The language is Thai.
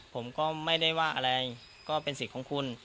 ผมก็ไม่ได้ว่าอะไรก็เป็นสิทธิ์ของคุณ